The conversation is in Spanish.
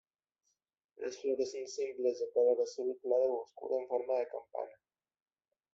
Las flores son simples de color azul claro u oscuro en forma de campana.